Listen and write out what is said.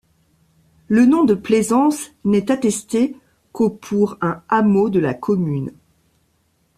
Le nom de Plaisance n'est attesté qu'au pour un hameau de la commune.